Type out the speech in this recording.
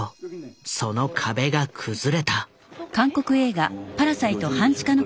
その壁が崩れた。